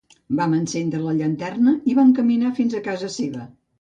Vam encendre la llanterna i vam caminar fins a casa seva.